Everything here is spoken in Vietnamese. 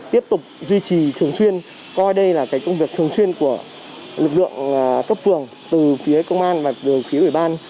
tiếp tục duy trì thường xuyên coi đây là công việc thường xuyên của lực lượng cấp phường từ phía công an và từ phía ủy ban